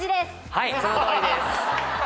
はいそのとおりです。